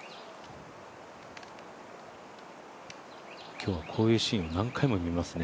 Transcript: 今日はこういうシーンを何回も見ますね。